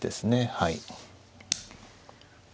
はい。